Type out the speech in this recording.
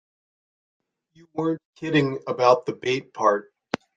You weren't kidding about the bait part.